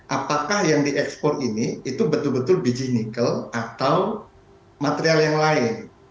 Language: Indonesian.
apakah yang diekspor ini itu betul betul biji nikel atau material yang lain